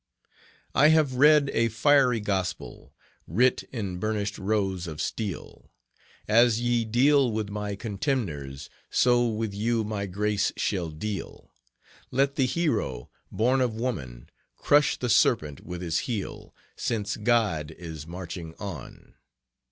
"I have read a fiery gospel, writ in burnished rows of steel; 'As ye deal with my contemners, so with you my grace shall deal; Let the Hero, born of woman, crush the serpent with his heel, Since God is marching on.'